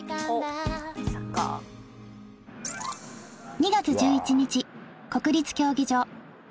２月１１日国立競技場